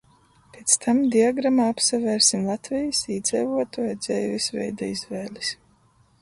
Piec tam diagramā apsavērsim Latvejis īdzeivuotuoju dzeivis veida izvēlis.